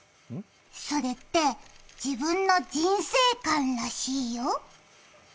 それって自分の人生観らしいよ。